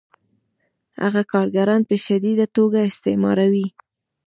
هغه کارګران په شدیده توګه استثماروي